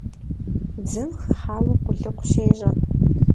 Дзэм хыхьауэ къулыкъу щещӀэ.